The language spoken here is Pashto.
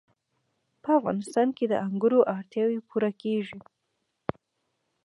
په افغانستان کې د انګورو اړتیاوې پوره کېږي.